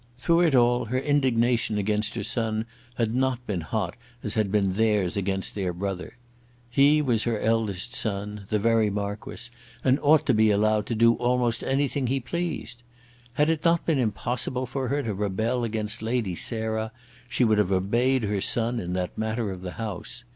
Through it all her indignation against her son had not been hot as had been theirs against their brother. He was her eldest son, the very Marquis, and ought to be allowed to do almost anything he pleased. Had it not been impossible for her to rebel against Lady Sarah she would have obeyed her son in that matter of the house.